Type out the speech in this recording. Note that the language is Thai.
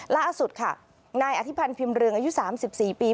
ล่าสุดค่ะนายอธิพันธ์พิมพ์เรืองอายุ๓๔ปี